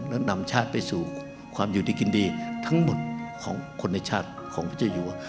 และนำชาติไปสู่ความอยู่ดีกินดีทั้งหมดของคนในชาติของพระเจ้าอยู่